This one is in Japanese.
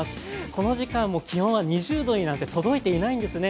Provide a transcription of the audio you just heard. この時間も気温は２０度になんて届いていないんですね。